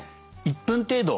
１分程度。